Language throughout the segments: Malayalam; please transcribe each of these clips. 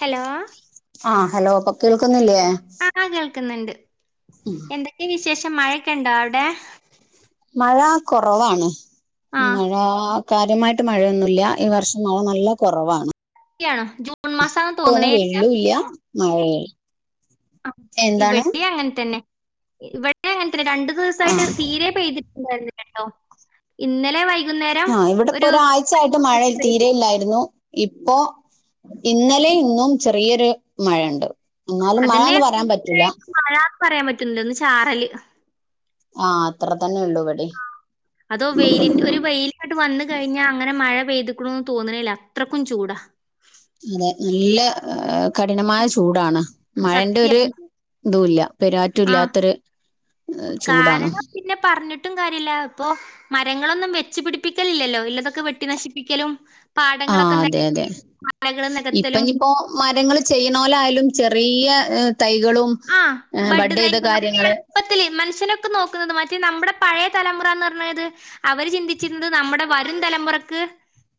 ഹലോ ആ ഹലോ ഇപ്പൊ കേൾക്കുന്നില്ലേ ആ കേൾക്കുന്നുണ്ട് എന്തൊക്കെ വിശേഷം മഴൊക്കെ ഉണ്ടോ അവിടെ മഴ കുറവാണ് ആഹ് മഴ കാര്യമായിട്ട് മഴയൊന്നുല്ല ഈ വർഷം മഴ നല്ല കൊറവാണ് ജൂൺ മാസാന്ന് തോന്നണേ ഇവിടൊന്നും ഇല്ല വെള്ളൂല്ല മഴയ ആ ഇവിടെം അങ്ങനെ തന്നെ ഇവിടെ അങ്ങ രണ്ടു ദിവസായിട്ട് ആഹ് തീരെ പെയ്തിട്ടുണ്ടായിരുന്നില്ലല്ലോ ഇന്നലെ വൈ- ആ ഇവിടെ ഇപ്പോ ഒരാഴ്ച ആയിട്ട് മഴ പെയ്തു തീരെയില്ലായിരുന്നു ഇപ്പോ ഇന്നലെ ഇന്നും ചെറിയൊരു മഴയുണ്ട് എന്നാലും അതന്നെ മഴന്ന് പറയാൻ പറ്റൂല ക്യത്യായിട്ട് മഴന്ന് പറയാൻ പറ്റില്ല ഒന്ന് ചാറല് ആ അത്ര തന്നെ ഉള്ളു ആ അതോ വെയിലിന്റെ ഒരു വെയിലിങ്ങോട്ട് വന്ന് കഴിഞ്ഞാ അങ്ങനെ മഴ പെയ്തുക്കുണുന്ന് തോന്നണല്യാ അത്രക്കും ചൂടാ അതെ നല്ല കഠിനമായ ചൂടാണ് മഴന്റെ ഒരു ഇതുല്ല ആ പെരാറ്റൂല്ലാത്തൊരു ചൂടാണ് കാരണം പിന്നെ പറഞ്ഞിട്ടും കാര്യല്ല ഇപ്പൊ മരങ്ങ- ങ്ങളൊന്നും വെച്ചു പിടിപ്പിക്കലില്ലല്ലോ ഇല്ലതൊക്കെ വെട്ടി നശിപ്പിക്കലും ആ പാടങ്ങളൊക്കെ അതെ നികത്തി അതെ മലകള് ഇപ്പ നികത്തലും ഇപ്പോ മരങ്ങള് ചെയ്യണോലായാലും ചെറ- പ്രീയ ആ ബഡ് തൈ കാര്യങ്ങള് എളുപ്പത്തില് മനുഷ്യനൊക്കെ നോക്കുന്നത് മറ്റേ നമ്മുടെ പഴയ തലമുറ എന്ന് പറഞ്ഞത് അവര് ചിന്തിച്ചിരുന്നത് നമ്മുടെ വരും തലമുറക്ക്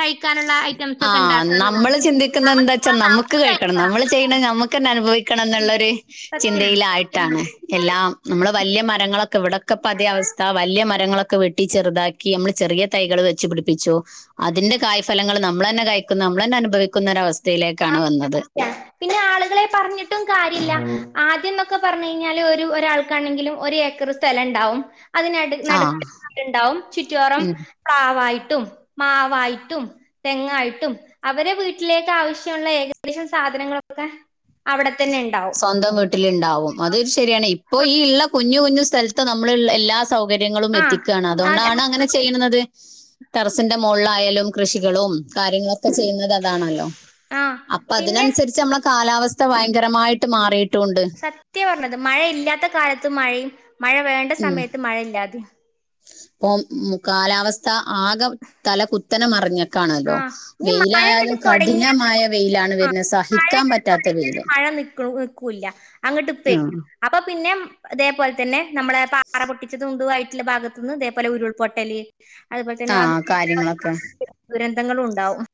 കഴിക്കാനുള്ള ഐറ്റംസ് ആ ഒക്കെ നമ്മൾ ഉണ്ടാക്കാന്നുള്ളത് ചിന്തിക്കുന്ന എന്താ വച്ചാ നമുക്ക് കഴിക്കണം നമ്മള് ചെയ്യണ നമക്ക്ന്നെ അനുഭവിക്ക എന്നുള്ളരു സത്യാണ് ചിന്തയിലായിട്ടാണ് എല്ലാം നമ്മള് വലിയ മരങ്ങളൊക്കെ ഇവിടക്കപ്പ അതേ ഉം. അവസ്ഥ വലിയ മരങ്ങളൊക്കെ വെട്ടി ചെറുതാക്കി നമ്മള് ചെറിയ തൈകൾ വെച്ചു പിടിപ്പിച്ചു അതിന്റെ കായ്ഫലങ്ങൾ നമ്മൾളന്നെ കഴിക്കും നമ്മൾ തന്നെ അനുഭവിക്കുന്ന ഒരസ്ഥ ആ പിന്നെ ആളുകളെ പറഞ്ഞിട്ടും കാര്യല്ല ആദ്യം എന്നൊക്കെ പറഞ്ഞു കഴിഞ്ഞാല് ഒരു ഒരാൾക്കാണെങ്കിലും ഒരു ഏക്കർ സ്ഥലം ഉണ്ടാവും അതിന ആഹ് നടക്കട്ടുണ്ടാവും ചുറ്റിയോറം ഉം പ്ലാവായിട്ട് ട്ടും മാവായിട്ടും തെങ്ങായിട്ടും അവരെ വീട്ടിലേക്ക് ആവശ്യ- ത്തിനുള്ള ഏകദേശം സാധനങ്ങളൊക്കെ അവി സ്വന്തം വീട്ടിലുണ്ടാവും അത് ഒരു ശരിയാണ് ഇപ്പൊ ഈ ഉള്ള കുഞ്ഞു കുഞ്ഞു സ്ഥലത്ത് നമ്മൾ എല്ലാ സൗകര്യങ്ങളും ആഹ് എത്തിക്കുകയാണ് അത് അതുകൊണ്ടാണ് അങ്ങനെ ചെയ്യുന്നത് ടെറസിന്റെ മുകളിലായാലും കൃഷികളും കാര്യങ്ങളൊക്കെ ചെയ്യുന്നത് അതാണല്ലോ ആഹ് അപ്പൊ പിന്നെ അതിനനുസരിച്ച് നമ്മള കാലാവസ്ഥ ഭയങ്കരമായിട്ട് മാറിട്ട് സത്യ പറഞ്ഞത് മഴയില്ലാത്ത കാലത്ത് മഴയും മഴ വേണ്ട സമയത്ത് മഴയില്ലാതെ ഇപ്പ ഉം കാലാവസ്ഥ ആകെ തല കുത്തന മറിഞ്ഞ ആ ഇനി മഴ അങ്ങട്ടു തുടങ്ങിയ കഠിനമായ വെയിലാണ് ആ വരുന്നത് മഴ സഹിക്കാൻ അങ്ങ് പറ്റാത്ത തുടങ്ങിയാൽ വെയില് മഴ നിക്കണ് നിക്കൂല്ല അങ്ങട്ട് ആ പെയ്യ് അപ്പൊ പിന്നെ അതേപോലെ തന്നെ നമ്മളെ പാറ പൊട്ടിച്ചത് ഉണ്ടതു ആയിട്ടുള്ള ഭാഗത്തു നിന്ന് അതേപോലെ ഉരുൾപൊട്ടല് അതുപോലെ തന്നെ ആ കാര്യങ്ങളൊക്കെ [unintelligible] ദുരന്തങ്ങളും ഉണ്ടാവും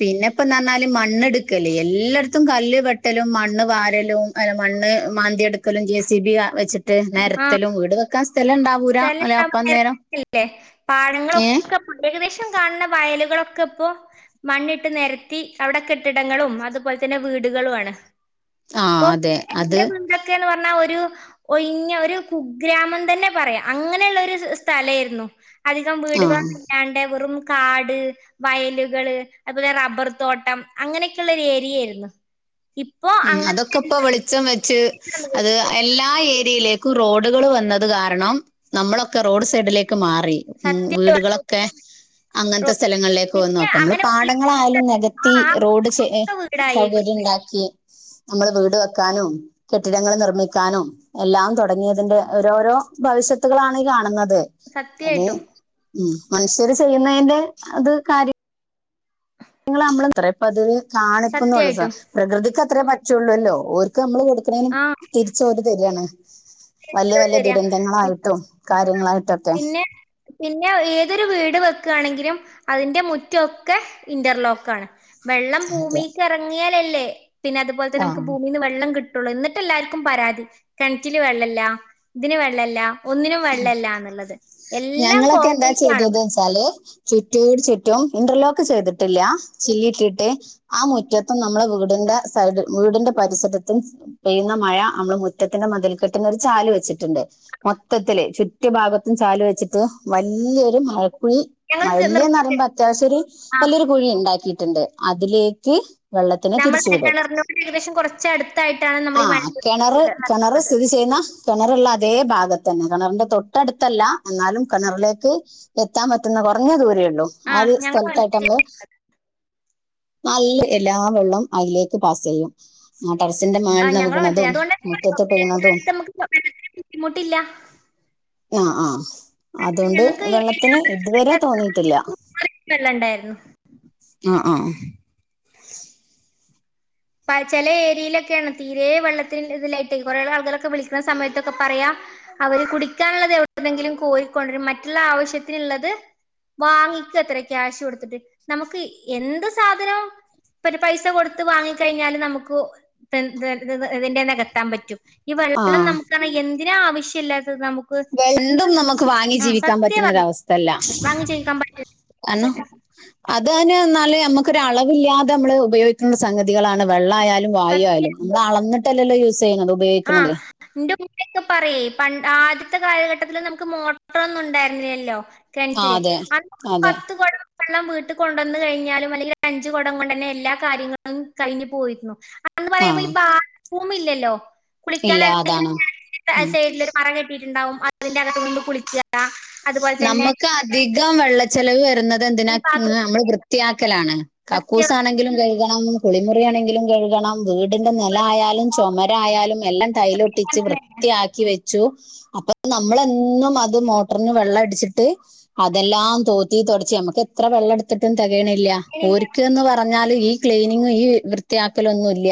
പിന്നെപ്പ എന്ന് പറഞ്ഞാല് മണ്ണെടുക്കല് എല്ലായിടത്തും കല്ല് വെട്ടലും മണ്ണ് വാരലും അല്ല മണ്ണ് മണ്ണ് മാന്തിെയെടുക്കലും ജെ സി ബി വെച്ചിട്ട് ട്ട് ആ നെത്തിലും വീട് വെക്കാൻ സ്ഥലമുണ്ടാവൂരാഅല്ല സ്ഥലം അപ്പന്നേരം ല്ലേ പാടങ്ങളൊക്കെ ഏകദേശം കാണുന്ന വയലുകളൊക്കെ ഇപ്പോ മണ്ണിട്ട് നിരത്തി അവിടെ കെട്ടിടങ്ങളും അതുപോലെ തന്നെ വീടുകളുമാണ് ആ ഇപ്പ അതെ അത് എന്റെ മുമ്പത്തെക്കെയന്ന് പറഞ്ഞാൽ ഒരു ഒരു ഒഴിഞ്ഞ ഒരു കുഗ്രാമം തന്നെ പറയാം അങ്ങനെയുള്ള ഒരു സ്ഥലയിരുന്നു അധികം ആ വീടുകളും ഇല്ലാണ്ട് വെറും കാട് വയലുകള് അതുപോലെ റബ്ബർ തോട്ടം അങ്ങനെയൊക്കെയള്ള ഒരു ഏരിയ ആയിരുന്നു [unintelligible] ഉം അങ്ങനെ അതൊക്കെ ഇപ്പൊ വെളിച്ചം വെച്ച് അത് എല്ലാ ഏരിയയിലേ റോഡുകൾ വന്നത് കാരണം നമ്മളൊക്കെ റോഡ് സൈഡിലേ ക്ക്മാറി സത്യം വീടുകളൊക്കെ അങ്ങനത്തെ സ്ഥലങ്ങളിലേക്ക് വന്നു പിന്നെ അപ്പ നമ്മള് അങ്ങനെ പാടങ്ങളായാലും നികത്തി റോഡ് വീടായി സൗകര്യം ഉണ്ടാക്കി നമ്മള് വീട് വെക്കാനും കെട്ടിടങ്ങൾ നിർമ്മിക്കാനും എല്ലാം തുടങ്ങിയതിന്റെ ഓരോരോ ഭവിഷ്യത്തുകളാണ് ഈ കാണുന്നത് അതെ അത് സത്യായിട്ടും ഇമനുഷ്യര് ചെയ്യുന്നതിന്റെ അത് കാര്യം ഇങ്ങള് നമ്മൾപ്പ അതി കാണിക്കുന്നുള്ളു സത്യായിട്ടും പ്രകൃതിക്ക് അത്രയേ പറ്റുള്ളൂല്ലോ നമ്മള് എടുക്കുന്നേനും ആഹ് തിരിച്ചവര് തരിയാണ് വലിയ വലിയ ശരിയാ ദുരന്തങ്ങളായിട്ടും കാര്യങ്ങളായിട്ടൊക്കെ പിന്നെ പിന്നെ ഏതൊരു വീട് വെക്കയാണെങ്കിലും അതിന്റെ മുറ്റൊക്കെ ഇന്റർലോക്ക് ആണ് വെള്ളം അതെ ഭൂമിക്ക് ഇറങ്ങിയാലല്ലേ പിന്നെ അതുപോലെ ആ നമുക്ക് ഭൂമീൽന്ന് വെള്ളം കിട്ടുള്ളൂിട്ട എന്നിഎല്ലാവർക്കും പരാതികിണറ്റില് വെള്ളല്ല ല്ലഇതിന് വെള്ളല്ല ഒന്നിനും വെള്ളല്ലാന്നുള്ളത് എല്ലാം കോൺക്രീറ്റ് ആണ് ചുറ്റോടുചുറ്റും ഇന്റർലോക്ക് ചെയ്തിട്ടില്ല ചില്ലട്ടിട്ട് ആ മുറ്റത്തും നമ്മളെ വീട് ന്താസൈഡ് വീടിന്റെ പരിസരത്തും പെയ്യുന്ന മഴ നമ്മള് മുറ്റത്തിന്റെ മതിൽക്കെട്ടിന്ന്ഒരു ചാല് വെച്ചിട്ട് ണ്ട് മൊത്തത്തില് ചുറ്റു ഭാഗത്തും ചാല് വെച്ചിട്ട് വല്ല്യൊരു മഴ കുഴി ഞങ്ങൾ മഴല്ന്ന് പറയുമ്പോ നിർമ്മിച്ചിട്ടുണ്ട് അത്യാവശ്യ ഒരു ആ വല്ലിയൊരു കുഴി ഉണ്ടാക്കിട്ടുണ്ട് അതിലേക്ക് വെള്ളത്തിന് നമ്മൾ തിരിച്ചുവിടും മഴക്കിണറിനോട് ഏകദേശം കുറച്ച് അടുത്തായിട്ടാണ് നമ്മൾ ആ ഈ കിണറ് മഴക്കിണർ കിണറ് സ്ഥിതി ചെയ്യുന്ന കിണറുള്ള അതേ ഭാഗത്ത് തന്നെ കിണറിന്റെ തൊട്ടടുത്തല്ല എന്നാലും കിണറിലേക്ക് എത്താൻ പറ്റുന്ന കുറഞ്ഞ ദൂരെയുള്ളൂ ഉള്ളൂ ആ ഒരു സ്ഥലത്തായിട്ട് നമ്മള് നല്ല എല്ലാ വെള്ളവും അതിലേക്ക് പാസ് ചെയ്യും ടെറസ്സിന്റെ മേൽന്ന് ഞങ്ങൾ മനസ്സിലായി. വീകണതും അതുകൊണ്ട് മുറ്റത്ത് വീകണതും നമുക്ക് വെള്ളത്തിന് ബുദ്ധിമുട്ടില്ല ആഹ് ആഹ് അതുകൊണ്ട് ഞങ്ങൾക്ക് വെള്ളത്തിന് ഇതുവരെ തോന്നീട്ടില്ല [unintelligible] വെള്ളണ്ടായിരുന്നു ആഹ് പല ചെലേ ഏരിയയിലൊക്കെയാണ് തീരെ വെള്ളത്തിന് ഇതിലായിട്ട് കുറേ ആളുകളൊക്കെ വിളിക്കുന്ന സമയത്തൊക്കെ പറയാ അവര് കുടിക്കാനുള്ളത് എവിടെന്നെങ്കിലും കോരിക്കൊണ്ടൊരും മറ്റുള്ള ആവശ്യത്തിനുള്ളത് വാങ്ങിക്കാത്രേ ക്യാഷ് കൊടുത്തിട്ട് നമുക്ക് എന്ത് സാധനോം പിന്നെ പൈസ കൊടുത്ത് വാങ്ങിക്ക കഴിഞ്ഞാൽ നമുക്ക് ഇത് ഇതിന്റ നികത്താൻ പറ്റും ഈ വെള്ളം നമുക്ക് പറഞ്ഞാൽ എന്ത് ഇതിന് ആവശ്യല്ലാത എന്തും നമുക്ക് വാങ്ങി ജീവിക്കാൻ സത്യം പറ്റുന്നൊരവസ്ഥല്ല വാങ്ങി ചെയ്യിക്കാൻ പറ്റില്ല കാരണം അത് [unintelligible] നെന്നാല് നമ്മക്കൊരു അളവില്ലാതെ നമ്മള് ഉപയോഗിക്കുന്ന സംഗതി കളാണ് വെള്ളായാലും വായു ആയാലും സത്യം നമ്മള് അളന്നിട്ടല്ലോ യൂസ് ചെയ്യുന്നത് ആഹ് ഉപയോഗിക്കുന്നത് ന്റെ ഉമ്മിയൊക്കെ പറയേ പണ്ട് ആദ്യ അന്നത്തെ കാലഘട്ടത്തില് നമുക്ക് മോട്ടറൊന്നും ഉണ്ടായിരുന്നില്ലല്ലോ ആ കിണറ്റില് അതെ അന്ന് ഒരു അതെ പത്ത് കൊടം വെള്ളം വീട്ടി [unintelligible] കൊണ്ടുവന്നു കഴിഞ്ഞാലും അല്ലെങ്കിൽ അഞ്ചു കുടം കൊണ്ട് വന്നാ എല്ലാ കാര്യങ്ങളും കഴിഞ്ഞു പോയിരുന്നു അന്ന് ആ പറയുമ്പോ ഈ ബാത്ത്റൂമ് ഇല്ലല്ലോ ഇല്ല കുളിക്കാനാണെങ്കിലും അതാണ് ഉം സൈഡിൽ ഒരു മറ കെട്ടിയിട്ടുണ്ടാവും അതിന്റെകത്ത് നിന്ന്കൊണ്ട് കുളിക്കാ നമ്മുക്ക് അധികം വെള്ളച്ചെലവ് വരുന്നത് എന്തിനാ ഈ നമ്മള് ബാത്റൂമിൽ വൃത്തിയാക്കലാണ് സത്യം കക്കൂസാണെങ്കിലും കഴുകണം കുളിമുറി ആണെങ്കിലും കഴുകണം വീടിന്റെ നില ആയാലും ചുമരായാലും എല്ലാം വീട്ടിൽ ടൈലൊട്ടിച്ച് തന്നെ വൃത്തിയാക്കി വെച്ചു അപ്പൊ നമ്മള് എന്നും അത് മൊ ട്ടർന്നുവെള്ളം അടിച്ചിട്ട് അതെല്ലാം തോത്തി തൊടച്ച് നമുക്ക് എത്ര വെള്ളം എടുത്തിട്ടും തെകയണില്ല ഓര്ക്ക്ന്ന് പറഞ്ഞാല് ഈ ക്ലീനിംഗും ഈ വൃത്തിയാക്കലൊന്നുംല്ല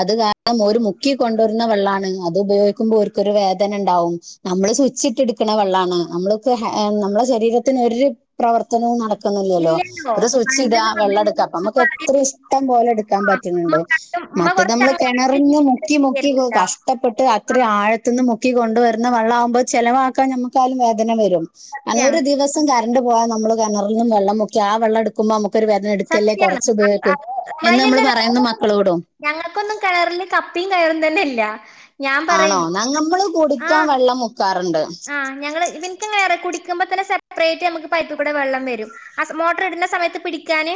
അത് കാരണം ഓരു മുക്കി കൊണ്ടുവരുന്ന വെള്ളാണ് അത് ഉപയോഗിക്കുമ്പോൾ ഓർക്കൊരു വേദന ഇണ്ടാവും നമ്മള് സുച്ചിട്ടെടുക്കണ വെള്ളാണ് നമ്മളൊക്കൊ ഹെ നമ്മളുടെ ശരീരത്തിന് ഒരു പ്രവർത്തനവും നടക്ക് ക്കുന്നില്ലല്ലോ ഇല്ലല്ലോ ഒരു സ്വിച്ച് ഇടാ പണ്ട്ന്ന് വെള്ളം എടുക്കാ അപ്പൊ നമുക്ക് എത്ര പറഞ്ഞ ഇഷ്ടം പോലെ എടുക്കാൻ ആ, ഉമ്മ പറ്റണുണ്ട് കണ്ടും ഉമ്മ മറ്റത് കുറച്ച് നമ്മള് അങ്ങോട്ട് തരുന്നു കെണറിന്ന് മുക്കി മുക്കി കേട്ടോ കഷ്ടപ്പെട്ട് ആ അത്ര ആഴത്തുന്ന് മുക്കി ണ്ട് മുക്കി കൊണ്ടുവരുന്ന വെളളാകുമ്പം ചെലവാക്കാൻ ഞമുക്കായാലും വേദന വരും അതോണ്ട് സത്യാണ് ഒരു ദിവസം കര കറണ്ട് പോയാ നമ്മള് കെണറ്ന്ന് വെള്ളം മുക്കി ആ വെള്ളം എടുക്കുമ്പോ നമക്ക് ഒരു വേദന എടുക്കല്ലേ സത്യാണ് കുറച്ച് അ- ഉപയോഗിക്ക് അത് എന്ന് നമ്മള് നമ്മളതിനെല്ലാം ര- പറയുന്നു മക്കളോടും ഞങ്ങൾക്കൊന്നും കിണറിൽ കപ്പിം കയറും തന്നെ ഇല്ല ഞാൻ ആണോ പറയും ഞ നമ്മള് ആ കുടിക്കാൻ വെള്ളം മുക്കാറു ആ ഞങ്ങള് ഇവനിക്ക് എങ്ങനെയാറിയോ കുടി ക്കുമ്പത്തന്നെ സെപ്പറേറ്റ് നമുക്ക് പൈപ്പിൽ കൂടെ വെള്ളം വരും ആ സ് മോട്ടർ ഇടുന്ന സമയത്ത് പിടിക്കാന്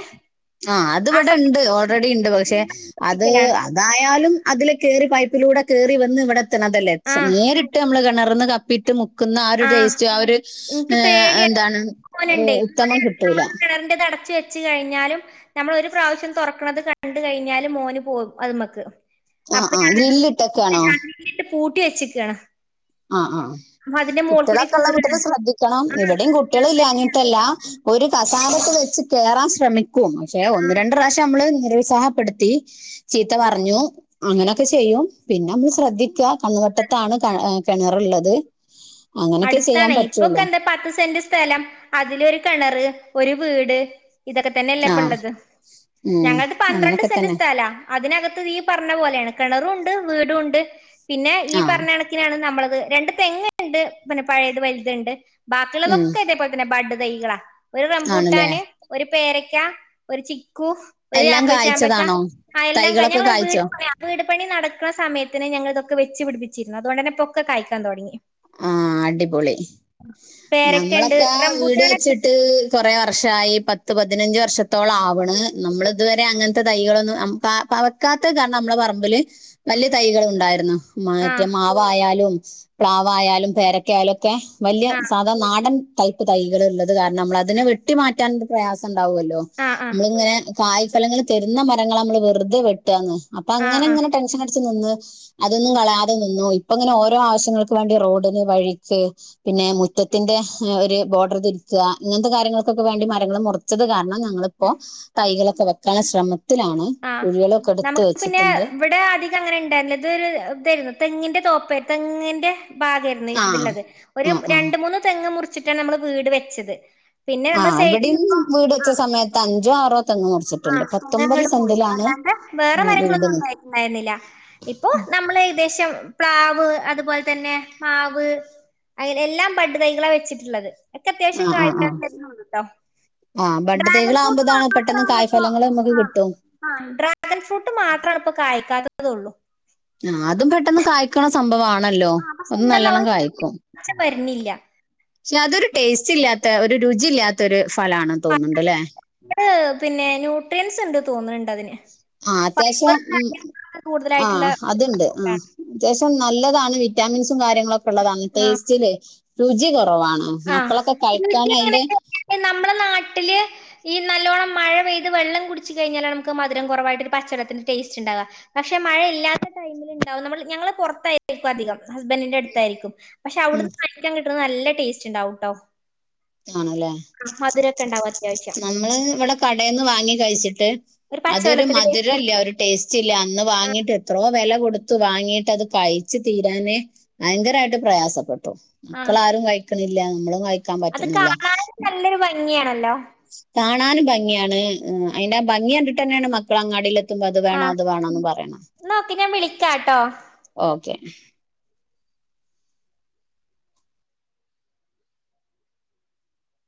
ആ അത് ഇവടെണ്ട് ഓൾറെഡി ഇണ്ട് പക്ഷെ സമയത്ത് അത് പിടിക്കലാണ് അതായാലും അതില് കയറി പൈപ്പിലൂടെ കയറി വന്ന് ഇവിടെ എത്തണതല്ലേ ആ നേരിട്ട് നമ്മള് കിണർന്ന് കപ്പിട്ട് മുക്ക് ക്കുന്ന ആ ഒരു ആഹ് ടേസ്റ്റ് ആ ഒരു ഇൻക്ക് പേടിയാ എന്താണ് മോനുണ്ടേ ഉത്തമം കിട്ടൂല വച്ച് കഴിഞ്ഞാലും നമ്മള് ഒരു പ്രാവശ്യം തുറക്കണത് കണ്ട കഴിഞ്ഞാലും മോന് പോകും അത് മ്മക്ക് ആ അപ്പ ആ ഞാൻ ഗ്രില്ലിട്ടൊക്കെയാണോ [unintelligible] ഇട്ട് പൂട്ടി വെച്ചക്കാണ് ആ ആ കുട്ടിയെളൊക്കെ ഉള്ള കേറാണ് വീട്ടില് ശ്രദ്ധിക്കണം. ആഹ് ഇവിടെയും കുട്ടികള് ഇല്ലാഞ്ഞിട്ടല്ല. ഒരു കസാ ലൊക്കെ വെച്ച് കേറാൻ ശ്രമിക്കും പക്ഷെ ഒന്ന് ആഹ് രണ്ട് പ്രാവശ്യം നമ്മള് നിരുൽ സാഹപ്പെടുത്തി ചീത്ത പറഞ്ഞു അങ്ങനെയൊക്കെ ചെയ്യും പിന്നെ നമ്മള് ശ്രദ്ധിക്ക കണ്ണുവട്ടത്താണ് ക കിണറ്ള്ളത് അടുത്താണെ ഇപ്പൊക്കെ എന്താ പത്ത് സെന്റ് സ്ഥലം അതിലൊരു കെണറ് ഒരു വീട് ഇതൊക്കെ തന്നെയല്ലേ ആ ഇപ്പള്ളത് ഉം ഞങ്ങളത് പന്ത്രണ്ട് അങ്ങനൊക്കെ സെന്റ് തന്നെ സ്ഥലാ അതിനകത്ത് ഈ പറഞ്ഞ പോലെയാണ് കിണറുംണ്ട് വീടുംണ്ട് പിന്നെ ഈ ആ പറഞ്ഞ കണക്കിനാണ് നമ്മളത് രണ്ട് തെങ്ങ്ണ്ട് പിന്നെ പഴയത് വലുത് ഉണ്ട് ഉം ബാക്കിയുള്ളതൊക്കെ ഇത് പോലെ തന്നെ ബഡ് തൈകളാ ഒരു ആണല്ലേ റംമ്പൂട്ടാന് ഒരു പേരയ്ക്ക ഒരു ചി ക്കു, ഒരു എല്ലാം ആപ്പിൾ ചാമ്പക്ക കായ്ച്ചതാണോ ആ എല്ലാം കയ് തൈകളൊക്കെ ഞങ്ങള് വീട് കായ്ച്ചോ പണ്യാ വീട് പണി നടക്ണ സമയത്തിന് ഞങ്ങൾ ഇതക്കെ വെച്ച് പിടിപ്പിച്ചിരുന്നു അതുകൊണ്ട് തന്നെ ഇപ്പൊക്കെകായിക്കാൻ തുടങ്ങി ആ അടിപൊളി പേരക്ക ഉണ്ട് നമ്മളൊക്കെ വീട് റംബൂട്ടാനൊ വെച്ചിട്ട് കൊറെ വർഷായി. പ ത്ത് പതിനഞ്ച് വർഷത്തോളം ആവ്ണ്. നമ്മൾ ഇതുവരെ അങ്ങനത്തെ തൈകളൊന്നും പവക്കാത്ത കാരണം നമ്മളെ പറമ്പില് വലിയ തൈകൾ ഉണ്ടായിരുന്നു. മ ആ മറ്റേ മാവായാലും പ്ലാവായാലും പേരക്കായാലും ഒക്കെ വലിയ ആ സാധാ നാടൻ ടൈപ്പ് തൈകൾ ഉള്ളത് കാരണം നമ്മൾ അതിനെ വെട്ടി മാറ്റാൻ പ്രയാസ ണ്ടാവൊല്ലോ. ആ ആ നമ്മളിങ്ങനെ കായ്ഫലങ്ങൾ തരുന്ന മരങ്ങളെ നമ്മള് വെറുതെ വെട്ടാന്ന് അപ്പൊ ആ അങ്ങനെ ആ ഇങ്ങനെ ടെൻഷൻ അടിച്ച് നിന്ന് അതൊന്നും കളയാതെ നിന്നൂ ഇപ്പങ്ങനെ ഓരോ ആവശ്യങ്ങൾ ക്കും വാണ്ടി റോഡിന് വഴിക്ക് പിന്നെ മുറ്റത്തിന്റെ ഒരു ബോർഡർ തിരിക്ക ഇങ്ങൻത്തെ കാര്യങ്ങൾക് ക്കെ വേണ്ടി മരങ്ങൾ മുറിച്ചത് കാരണം ഞങ്ങളിപ്പൊ തൈകളൊക്കെ വെക്കാൻള ശ്രമ ആഹ്. നമുക്ക് പിന്നെ ഇവിടെ അധികം അങ്ങനെ ഉണ്ടായിരുന്നില്ല. ഇത് ഒരു ഇതേര്ന്നു. തെങ്ങിന്റെ തോ പ്പെ. തെങ്ങിന്റെ ഭാഗേരുന്നു ആ ഇതിള്ളത്. ഒരു ആ ആ രണ്ട് മൂന്ന് തെങ്ങ് മുറി ച്ചിട്ടാണ് നമ്മള് വീട് വെച്ചത് പിന്നെ ആ നമ്മൾ ഇവിടെയും [unintelligible] ഇപ്പ വീട് ആ വെച്ച സമയത്ത് അഞ്ചോ ആറോ തെങ്ങ് ആ മുറിച്ചിട്ടുണ്ട് പത്തൊമ്പത് [unintelligible] സെന്റിലാണ് അല്ലാണ്ട് വേറെ ഉം വീട് മരങ്ങളൊന്നും നി- ഉണ്ടായിട്ടുണ്ടായിരുന്നില്ല ഇപ്പൊ നമ്മള് ഏകദേശം പ്ലാവ് അതുപോലെ തന്നെ മാവ് അങ്ങനെ എല്ലാം ബഡുതൈകളാ വെച്ചിട്ടുള്ളത് ഒക്കെ അത്യാവശ്യം ആ ആ ആ കായ്ഫലം തര്നൂണ്ട് ട്ടോ ആ ബഡ് ഡ്രാഗൻ തൈകളാകുമ്പോ ഫ്രൂട്ട് ഇതാണ് മാത്രാ പെട്ടെന്ന് ണ്പ്പം കായ്ഫലങ്ങൾ നമുക്ക് ആഹ് കിട്ടും ആ ഡ്രാഗൺ ഫ്രൂട്ട് മാത്രാണിപ്പൊ കായ്ക്കാത്ത തൊള്ളൂ ആ അതും പെട്ടെന്ന് കായ്ക്കണ സംഭവവാ ണല്ലോ ആ പക്ഷെ ഒന്നും എന്താ നല്ലോണ്ണം കായ്ക്കും വളർച്ച വരുന്നില്ല ക്ഷെ അതൊരു ടേസ്റ്റ് ഇല്ലാത്ത ഒരു രുചി ഇല്ലാത്ത ഒര് [unintelligible] പിന്നെ ന്യൂട്രിയൻസ് ഉണ്ട് തോന്ന്ണ് ആ അത്യാശ്യം ഉം ആ കൂടുതലായിട്ടുള്ള ഒരു അത്ണ്ട് ആ ആണ്. അത്യാശ നല്ലതാണ് വിറ്റാമിൻസും കാര്യങ്ങളൊക്കെള്ളതാണ് ആ ടേസ്റ്റിലേ രുചി കൊ ആ രുചി അങ്ങനക്ക നമ്മള നാട്ടില് ഈ നല്ലോണം മഴ മഴ പെയ്ത് വെള്ളം കുടിച്ച് കഴിഞ്ഞാലാണ് മക്ക്‌ മധുരം കുറവായിട്ട് പച്ചള്ളത്തിന്റെ ടേസ്റ്റ്ണ്ടാക പക്ഷെ മഴയില്ലാത്ത ടൈം ണ്ടാവും നമ്മള് ഞങ്ങള് പൊറത്തായിരിക്കും അധികം. ഹസ്ബൻഡിന്റെ അടുത്തായിരിക്കും പക്ഷെ ഉം, അവിടുന്ന് വാങ്ങിക്കാൻ കിട്ടുന്നത് നല്ല ടേസ്റ്റുണ്ടാവട്ടോ. ആണല്ലേ ആ മധുരൊക്കെണ്ടവാല് നമ്മള് ഇവടെ കടേന്ന് വാങ്ങി കഴിച്ചിട്ട് ഒരു അതൊരു പച്ചവെള്ളത്തിന്റെ ടേസ്റ്റ് മധുരല്ല ഒരു ടേസ്റ്റില്ല അന്ന് വാങ്ങിട്ട് എത്രയൊ വെല കൊടു ടുത്ത് വാങ്ങിട്ട് അത് കഴിച്ചു തീരാനെ ഭയങ്കരായിട്ട് പ്രയാസപ്പെ പ്പോ ആഹ് മക്കളാരും കഴിക്ക്‌ന്നില്ല മ്മളും കഴിക്കാൻ പറ്റുന്നില്ല. ങ്ങെയാണല്ലോ. കാണാനും ഭംഗിയാണ് അയിന്റെ ഭംഗി കണ്ടിട്ടന്നെയാണ് മക്കളങ്ങാടിൽ ക്ക്‌മ്പോ അത് വേണോ ആഹ് അത് വേണോന്ന് പറയണെ ന്നാ ഓക്കെ ഞാൻ വിളിക്കാട്ടോ ഓക്കേ.